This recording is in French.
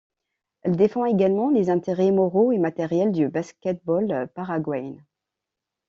Elle défend également les intérêts moraux et matériels du basket-ball paraguayen.